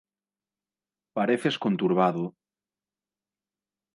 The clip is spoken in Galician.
Parecedes conturbado.